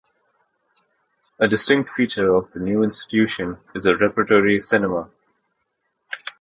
A distinct feature of the new institution is the repertory cinema.